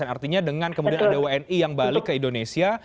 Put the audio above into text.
artinya dengan kemudian ada wni yang balik ke indonesia